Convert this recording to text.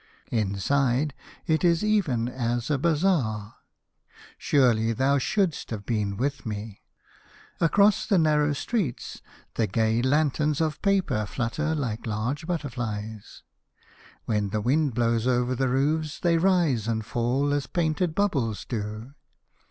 " Inside it is even as a bazaar. Surely thou should'st have been with me. Across the narrow streets the gay lanterns of paper flutter like large butterflies. When the wind blows over the roofs they rise and fall as painted bubbles do.